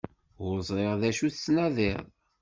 Ur ẓriɣ d acu tettnadiḍ.